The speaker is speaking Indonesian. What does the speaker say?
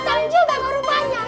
iqbal datang juga baru banyak